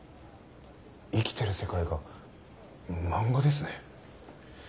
生きてる世界が漫画ですね。